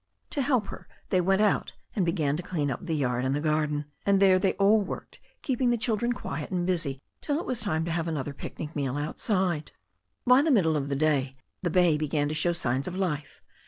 To help her they went out and began to clean up the yard and the garden, and there they all worked, keeping the children quiet and busy till it was time to have another picnic meal outside. By the middle of the day the bay began to show signs of life.